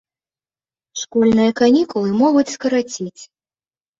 Школьныя канікулы могуць скараціць.